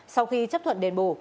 sau khi chấp thuận đền bù